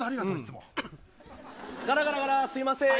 ガラガラ、すいません。